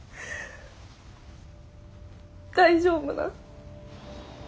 大丈夫なん？